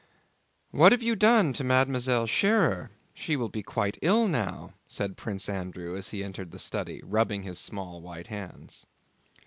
"What have you done to Mlle Schérer? She will be quite ill now," said Prince Andrew, as he entered the study, rubbing his small white hands.